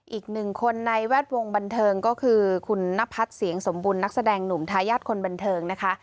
อีกหนึ่งคนในแวดวงบันเทิงก็คือคุณนพัฒน์เสียงสมบุญนักแสดงหนุ่มทายาทคนบันเทิงนะคะ